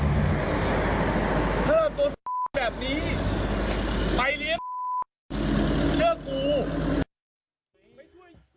เชื่อกู